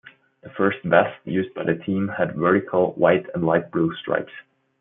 The first vest used by the team had vertical white and light blue stripes.